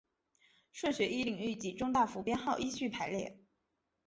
顺序依领域及中大服编号依序排列。